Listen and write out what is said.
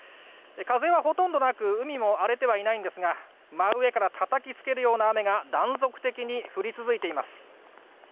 風はほとんどなく海も荒れてはいないんですが真上からたたきつけるような雨が断続的に降り続いています。